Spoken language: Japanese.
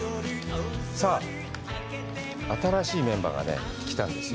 さあ、新しいメンバーが来たんですよ。